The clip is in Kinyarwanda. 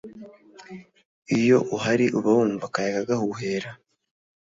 iyo uhari uba wumva akayaga gahuhera